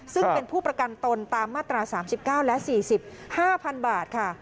ซึ่งเป็นผู้ประกันตนตามมาตรา๓๙และ๔๕๐๐๐บาทค่ะ